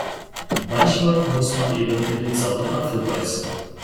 Manchmal muss man eben in den sauren Apfel beißen.